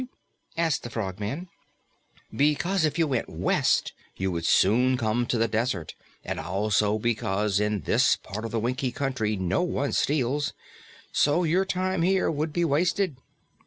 asked the Frogman. "Because if you went west, you would soon come to the desert, and also because in this part of the Winkie Country no one steals, so your time here would be wasted.